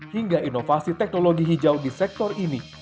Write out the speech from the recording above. hingga inovasi teknologi hijau di sektor ini